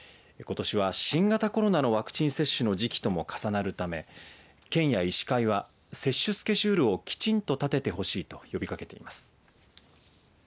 ことしは、新型コロナウイルスのワクチンの接種の時期とも重なるため県や医師会は接種スケジュールをきちんと立ててほしいと呼びかけています。